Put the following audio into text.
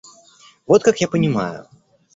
Вот как я понимаю.